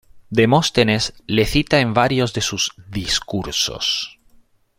Demóstenes le cita en varios de sus "Discursos".